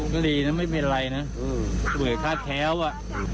ก็ดีนะไม่เป็นอะไรนะเผื่อคาดแค้วอ่ะ